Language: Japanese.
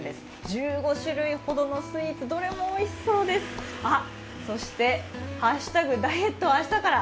１５種類ほどのスイーツ、どれもおいしそうです、あっ「＃ダイエットはあしたから」。